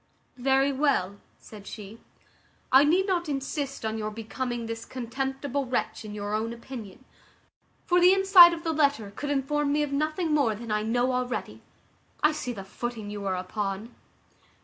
"Very well," said she "I need not insist on your becoming this contemptible wretch in your own opinion; for the inside of the letter could inform me of nothing more than I know already. I see the footing you are upon."